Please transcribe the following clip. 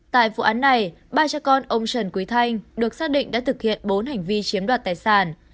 tại vụ án này ba cha con ông trần quý thanh được xác định đã thực hiện bốn hành vi chiếm đoạt tài sản